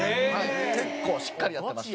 結構しっかりやってました。